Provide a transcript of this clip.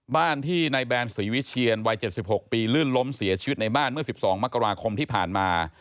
บ้านที่นายแบนศรีวิเชียนวัย๗๖ปีลื่นล้มเสียชีวิตในบ้านเมื่อ๑๒มกราคมที่ผ่านมา